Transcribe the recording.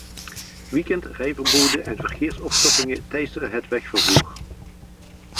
Weekend-rijverboden en verkeersopstoppingen teisteren het wegvervoer.